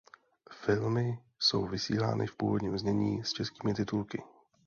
Filmy jsou vysílány v původním znění s českými titulky.